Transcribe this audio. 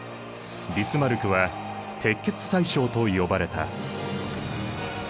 ビスマルクは鉄血宰相と呼ばれた。